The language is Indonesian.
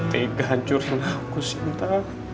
tega hancurin aku sinta